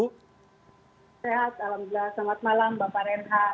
sehat alhamdulillah selamat malam bapak renhat